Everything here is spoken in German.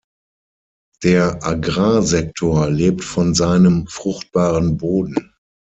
Der Agrarsektor lebt von seinem fruchtbaren Boden.